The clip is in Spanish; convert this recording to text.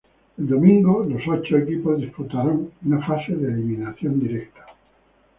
El domingo, los ocho equipos disputaron una fase de eliminación directa.